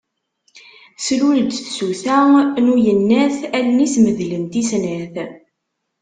Tlul-d tsuta n uyennat, allen-is medlent i snat.